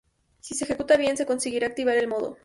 Si se ejecuta bien, se conseguirá activar el modo.